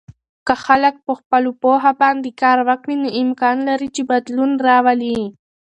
که خلک په خپلو پوهه باندې کار وکړي، نو امکان لري چې بدلون راولي.